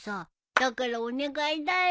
だからお願いだよ。